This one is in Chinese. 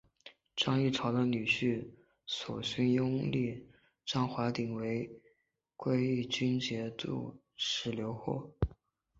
张议潮的女婿索勋拥立张淮鼎为归义军节度使留后。